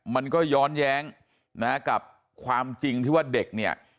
มันก็ย้อนแย้งนะกับความจริงที่ว่าเด็กเนี่ย